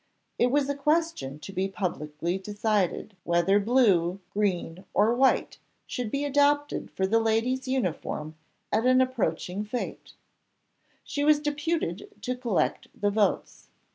It was a question to be publicly decided, whether blue, green, or white should be adopted for the ladies' uniform at an approaching fête. She was deputed to collect the votes.